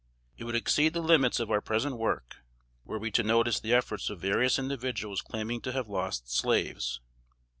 It would exceed the limits of our present work, were we to notice the efforts of various individuals claiming to have lost slaves.